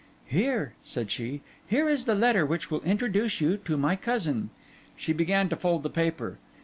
'Here,' said she, 'here is the letter which will introduce you to my cousin.' She began to fold the paper.